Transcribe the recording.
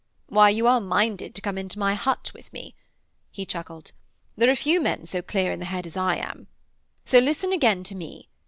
'Why, you are minded to come into my hut with me,' he chuckled. 'There are few men so clear in the head as I am. So listen again to me.